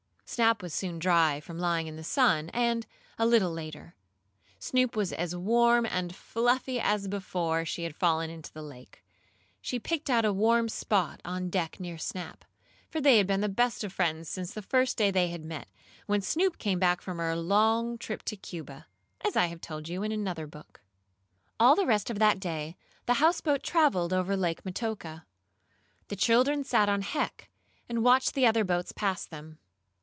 Snap was soon dry, from lying in the sun, and, a little later, Snoop was as warm and fluffy as before she had fallen into the lake. She picked out a warm spot on deck near Snap, for they had been the best of friends since the first day they had met, when Snoop came back from her long trip to Cuba, as I have told you in another book. All the rest of that day the houseboat traveled over Lake Metoka. The children sat on Heck, and watched other boats pass them.